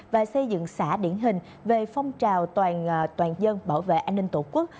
và xây dựng xã điển hình về phong trào toàn dân bảo vệ an ninh tổ quốc